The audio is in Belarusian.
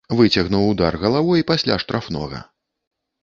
Выцягнуў удар галавой пасля штрафнога.